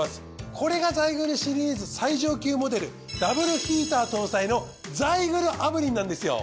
これがザイグルシリーズ最上級モデルダブルヒーター搭載のザイグル炙輪なんですよ。